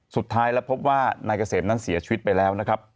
สุดท้ายแล้วพบว่านายเกษมนั้นเสียชีวิตไปแล้วนะครับ